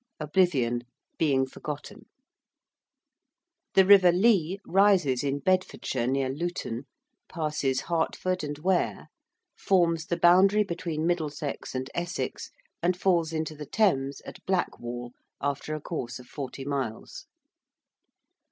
~oblivion~: being forgotten. ~The river Lea~ rises in Bedfordshire, near Luton, passes Hertford and Ware, forms the boundary between Middlesex and Essex, and falls into the Thames at Blackwall, after a course of forty miles.